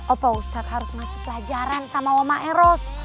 opa ustad harus ngasih pelajaran sama woma eros